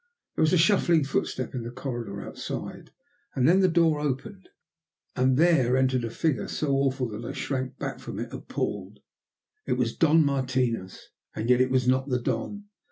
There was a shuffling footstep in the corridor outside, and then the door opened and there entered a figure so awful that I shrank back from it appalled. It was Don Martinos, and yet it was not the Don.